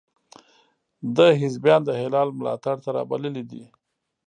ده حزبیان د هلال ملاتړ ته را بللي دي.